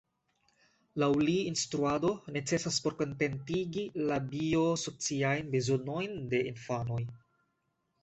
Laŭ li instruado necesas por kontentigi la 'bio-sociajn bezonojn' de infanoj.